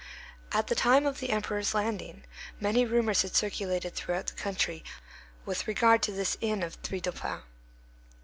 At the time of the Emperor's landing, many rumors had circulated throughout the country with regard to this inn of the Three Dauphins.